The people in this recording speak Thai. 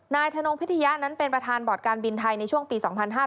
นายธนงพิธิญะนั้นเป็นประธานบอดการบินไทยในช่วงปี๒๕๔๗๒๕๔๘